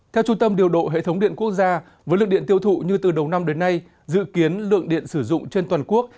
theo trung tâm điều độ hệ thống điện quốc gia với lượng điện tiêu thụ như từ đầu năm đến nay dự kiến lượng điện sử dụng trên toàn quốc